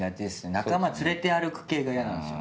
仲間連れて歩く系が嫌なんですよね。